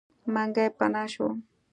منګلی پناه شو.